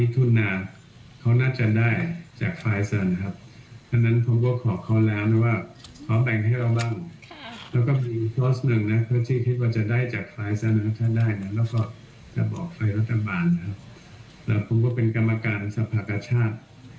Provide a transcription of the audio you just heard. ถ้าได้ก็จะบอกไฟรัฐบาลผมเป็นกรรมการศพพฐชาติ